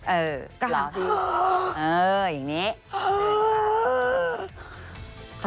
เอออย่างนี้